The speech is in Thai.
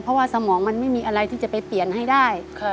เพราะว่าสมองมันไม่มีอะไรที่จะไปเปลี่ยนให้ได้